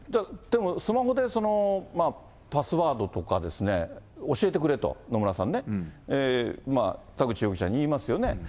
じゃあ、スマホでパスワードとか、教えてくれと、野村さんね、田口容疑者に言いますよね。